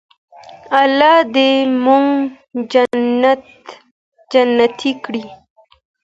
الله دې موږ جنتي کړي.